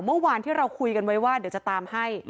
เมื่อวานที่เราคุยกันไว้ว่าเดี๋ยวจะตามให้